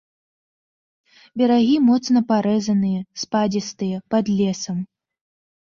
Берагі моцна парэзаныя, спадзістыя, пад лесам.